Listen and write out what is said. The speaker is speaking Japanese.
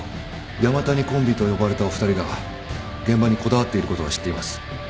山谷コンビと呼ばれたお二人が現場にこだわっていることは知っています